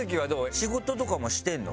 仕事とかもしてるの？